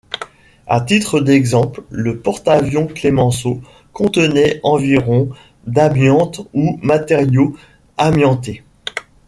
À titre d'exemple, le porte-avion Clemenceau contenait environ d'amiante ou matériaux amiantés.